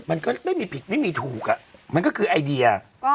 มันก็ไม่มีผิดไม่มีถูกมันก็คือไอเดีย